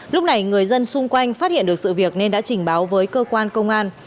lúc này người dân xung quanh phát hiện được sự việc nên đã trình báo với cơ quan công an